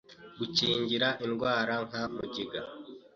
gukingira indwara nka mugiga